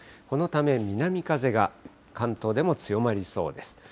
このため南風が、関東でも強まりそうです。